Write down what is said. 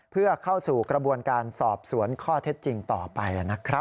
เพื่อเข้าสู่กระบวนการสอบสวนข้อเท็จจริงต่อไปนะครับ